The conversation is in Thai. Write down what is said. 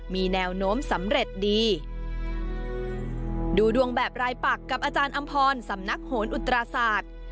มีแนวโน้มสำเร็จดีดูดวงแบบรายปักกับอาจารย์อำพรสำนักโหนอุตราศาสตร์